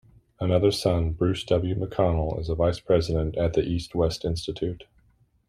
Another son, Bruce W. McConnell, is a vice president at the EastWest Institute.